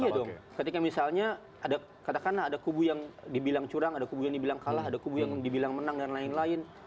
iya dong ketika misalnya ada katakanlah ada kubu yang dibilang curang ada kubu yang dibilang kalah ada kubu yang dibilang menang dan lain lain